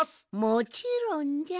もちろんじゃ。